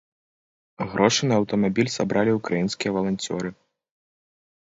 Грошы на аўтамабіль сабралі ўкраінскія валанцёры.